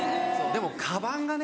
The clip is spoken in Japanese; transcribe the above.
でもカバンがね